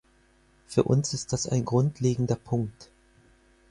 Für uns ist das ein grundlegender Punkt.